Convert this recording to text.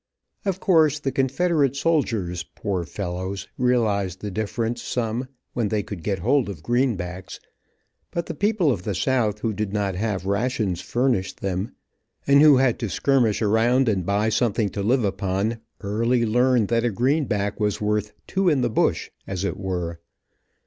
Of course the confederate soldiers, poor fellows, realized the difference some, when they could get hold of greenbacks, but the people of the south who did not have rations furnished them, and who had to skirmish around and buy something to live upon, early learned that a greenback was worth "two in the bush," as it were.